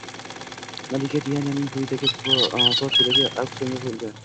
Malika Diananing to‘yidagi tort bo‘lagi auksionga qo‘yildi